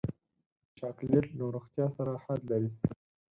چاکلېټ له روغتیا سره حد لري.